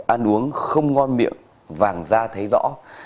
ăn uống không ngon miệng vàng da thấy rõ